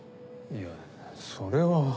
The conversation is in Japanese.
いやそれは。